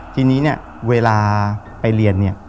ทีนี้เนี่ยเวลาไปเรียนเนี่ย